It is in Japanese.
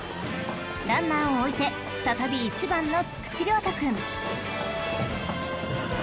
［ランナーを置いて再び１番の菊池遼太君］